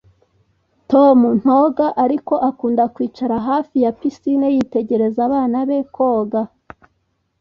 Tom ntoga ariko akunda kwicara hafi ya pisine yitegereza abana be koga